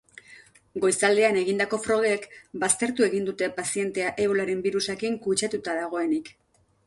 Goizaldean egindako frogek baztertu egin dute pazientea ebolaren birusakin kutsatuta dagoenik.